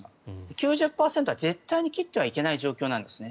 ９０％は絶対に切ってはいけない状況なんですね。